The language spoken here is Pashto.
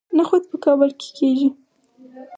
نخود په کابل کې کیږي